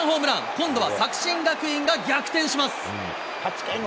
今度は作新学院が逆転します。